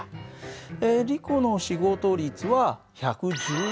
リコの仕事率は１１７Ｗ。